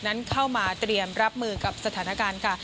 นั้นเข้ามาเตรียมรับมือกับสถานการณ์ค่ะ